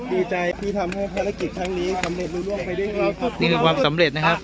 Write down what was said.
ดีใจที่ทำให้ภารกิจทั้งนี้สำเร็จรวมร่วงให้ได้ครับดีในความสำเร็จนะครับ